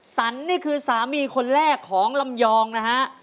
สันนี่คือสามีคนแรกของลำยองนะฮะ